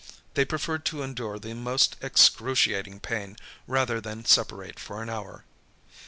They preferred to endure the most excruciating pain, rather than separate for an hour.